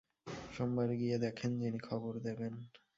সোমবারে গিয়ে দেখেন, যিনি খবর দেবেন।